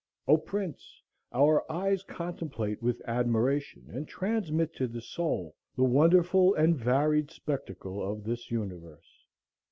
"O Prince, our eyes contemplate with admiration and transmit to the soul the wonderful and varied spectacle of this universe.